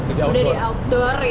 udah di outdoor